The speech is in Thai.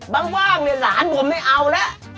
บ้างว่ามีหลานผมไม่เอาละ